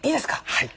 はい。